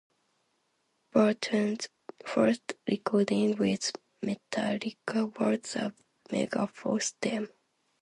Burton's first recording with Metallica was the "Megaforce" demo.